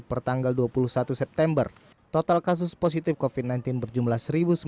per tanggal dua puluh satu september total kasus positif covid sembilan belas berjumlah satu sembilan ratus enam puluh sembilan